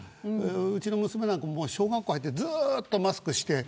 うちの娘なんかも小学校入ってずっとマスクして。